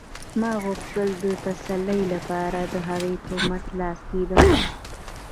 ما غوښتل د تسلۍ لپاره د هغې په مټ لاس کېږدم